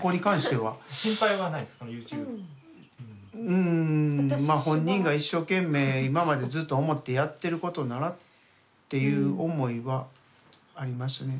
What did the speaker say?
うんまあ本人が一生懸命今までずっと思ってやってることならっていう思いはありますね。